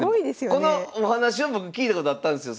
このお話は僕聞いたことあったんですよ。